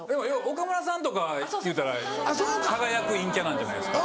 岡村さんとかいうたら輝く陰キャなんじゃないですか？